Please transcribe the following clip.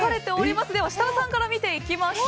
設楽さんから見ていきましょう。